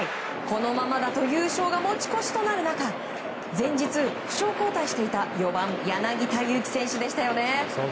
このままだと優勝が持ち越しとなる中前日、負傷交代していた４番、柳田悠岐選手でしたね。